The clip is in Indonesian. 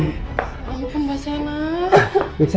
ya ampun mbak sena